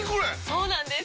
そうなんです！